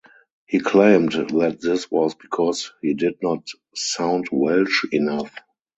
He claimed that this was because he did not sound Welsh enough.